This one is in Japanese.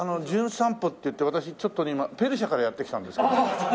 『じゅん散歩』っていって私ちょっとね今ペルシャからやって来たんですけど。